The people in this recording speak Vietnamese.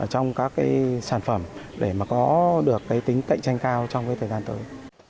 trong các cái sản phẩm để mà có được cái tính cạnh tranh cao trong cái thời gian tới